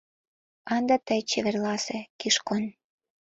А ынде тый чеверласе, Кишкон!